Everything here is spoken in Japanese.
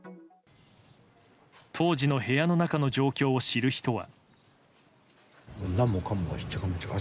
当時の部屋の中の状況を知る人は。